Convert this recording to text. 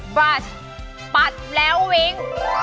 บรัชปัดแล้ววิ้ง